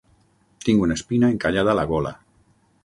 Tinc una espina encallada a la gola.